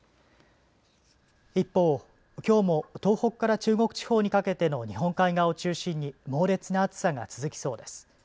一方、きょうも東北から中国地方にかけての日本海側を中心に猛烈な暑さが続きそうです。